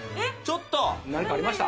何かありました？